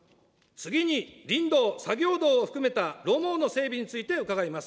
次に林道、作業道を含めた路網の整備について伺います。